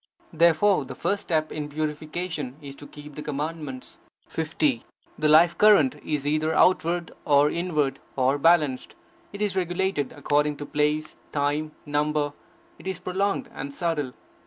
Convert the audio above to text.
Therefore the first step in purification is to keep the Commandments. 50. The life current is either outward, or inward, or balanced; it is regulated according to place, time, number; it is prolonged and subtle.